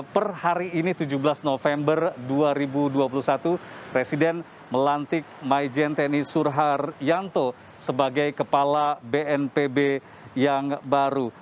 per hari ini tujuh belas november dua ribu dua puluh satu presiden melantik majen tni surharyanto sebagai kepala bnpb yang baru